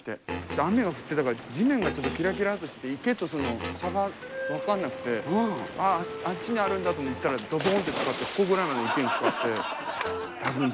雨が降ってたから地面がちょっとキラキラッとしてて池とその差が分かんなくてああっちにあるんだと思ったらドボンッてつかってここぐらいまで池につかって。